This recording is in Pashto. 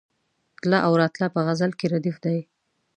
تله او راتله په غزل کې ردیف دی.